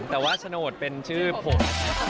แต่ว่าโฉนดเป็นชื่อผม